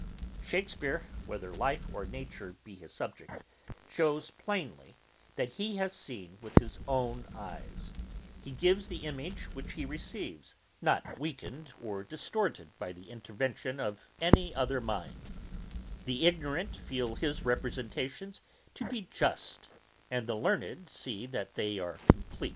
Shakespeare, whether life or nature be his subject, shews plainly, that he has seen with his own eyes; he gives the image which he receives, not weakened or distorted by the intervention of any other mind; the ignorant feel his representations to be just, and the learned see that they are compleat.